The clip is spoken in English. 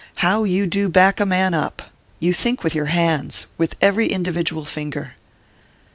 How you do back a man up! You think with your hands with every individual finger!"